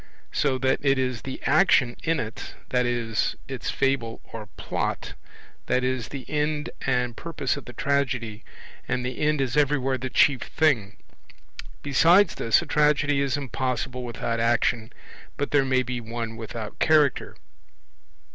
So that it is the action in it, i.e. its Fable or Plot, that is the end and purpose of the tragedy; and the end is everywhere the chief thing. Besides this, a tragedy is impossible without action, but there may be one without Character.